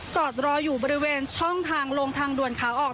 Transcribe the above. จอดรออยู่บริเวณช่องทางลงทางด่วนขาออก